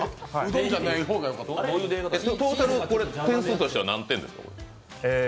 トータル点数としては何点ですか？